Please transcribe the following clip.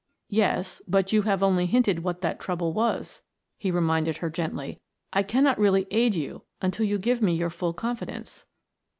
"Yes, but you have only hinted what that trouble was," he reminded her gently. "I cannot really aid you until you give me your full confidence."